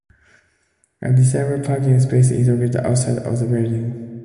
A disabled parking space is located outside of the building.